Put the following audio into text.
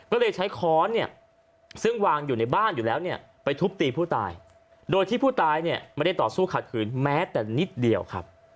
ก็เลยใช้ค้อนเนี่ยซึ่งวางอยู่ในบ้านอยู่แล้วเนี่ยไปทุบตีผู้ตายโดยที่ผู้ตายเนี่ยไม่ได้ต่อสู้ขัดขืนแม้แต่นิดเดียวครับ